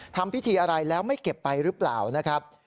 ทำพิธีอะไรแล้วไม่เก็บไปหรือเปล่านะครับ